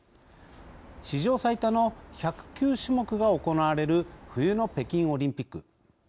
史上最多の１０９種目が行われる冬の北京オリンピック。